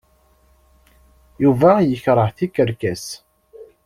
Yuba yekṛeh tikerkas.